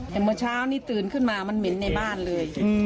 แต่เมื่อเช้านี้ตื่นขึ้นมามันเหม็นในบ้านเลย